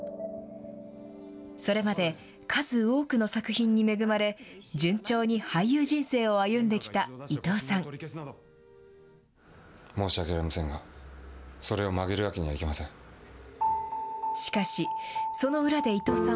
それまで数多くの作品に恵まれ、順調に俳優人生を歩んできた伊藤さん。